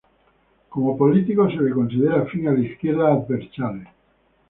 Como político se le considera afín a la izquierda abertzale.